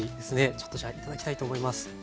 ちょっとじゃあ頂きたいと思います。